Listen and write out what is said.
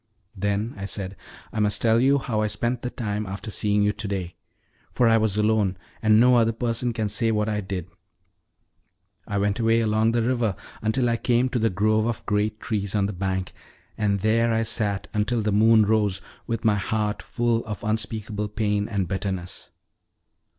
"Then," I said, "I must tell you how I spent the time after seeing you to day; for I was alone, and no other person can say what I did. I went away along the river until I came to the grove of great trees on the bank, and there I sat until the moon rose, with my heart full of unspeakable pain and bitterness."